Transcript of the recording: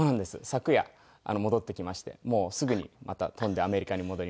昨夜戻ってきましてもうすぐにまた飛んでアメリカに戻ります。